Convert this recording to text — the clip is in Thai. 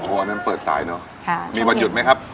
วันนั้นเปิดสายเนอะมีวันหยุดไหมครับ